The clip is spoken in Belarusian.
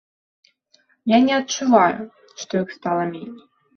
Я не адчуваю, што іх стала меней.